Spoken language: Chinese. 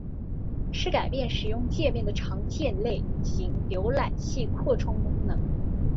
是改变使用介面的常见类型浏览器扩充功能。